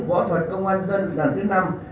võ thuật công an dân lần thứ năm